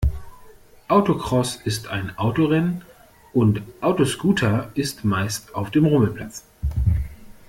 Autocross ist ein Autorennen und ein Autoscooter ist meist auf dem Rummelplatz.